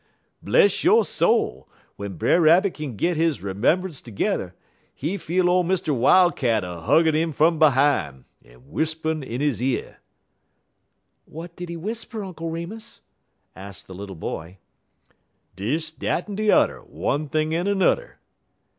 Bless yo' soul, w'en Brer Rabbit kin git he 'membunce terge'er, he feel ole Mr. Wildcat a huggin' 'im fum behime, en w'ispun in he year." "What did he whisper, Uncle Remus?" asked the little boy. "Dis, dat, en de udder, one thing en a nudder."